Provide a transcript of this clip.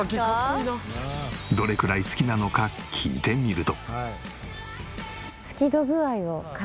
どれくらい好きなのか聞いてみると。